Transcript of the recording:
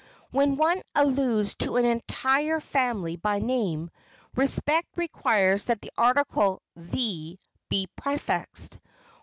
When one alludes to an entire family by name, respect requires that the article "the" be prefixed.